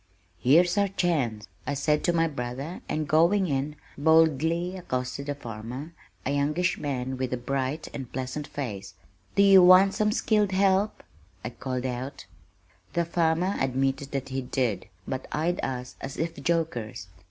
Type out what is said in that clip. "Here's our chance," I said to my brother, and going in, boldly accosted the farmer, a youngish man with a bright and pleasant face. "Do you want some skilled help?" I called out. The farmer admitted that he did, but eyed us as if jokers.